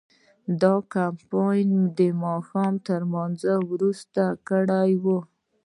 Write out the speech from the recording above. دا کمپاین مې د ماښام تر لمانځه وروسته کړی و.